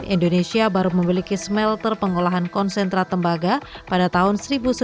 indonesia baru memiliki smelter pengolahan konsentrat tembaga pada tahun seribu sembilan ratus sembilan puluh